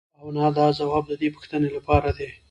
هو او نه دا ځواب د دې پوښتنې لپاره دی.